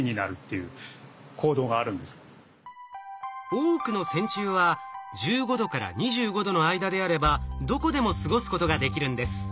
多くの線虫は１５℃から２５℃の間であればどこでも過ごすことができるんです。